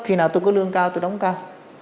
khi nào tôi có lương cao tôi đóng cao